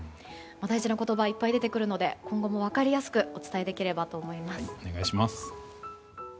大事な言葉いっぱい出てくるので今後も分かりやすくお伝えできればと思います。